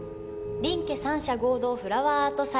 林家三者合同フラワーアート祭。